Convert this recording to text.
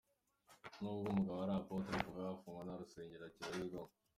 N’ubwo umugabo ari Apotre, kuva yafungwa nta rusengero akibarizwamo.